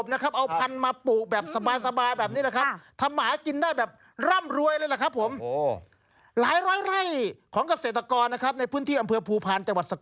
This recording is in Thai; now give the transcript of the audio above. ต้องไปเก็บบนภูพาน